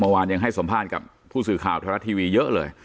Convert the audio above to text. เมื่อวานยังให้สัมภาษณ์กับผู้สื่อข่าวทะละทีวีเยอะเลย